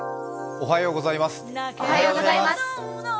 おはようございます。